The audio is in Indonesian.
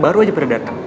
baru aja baru dateng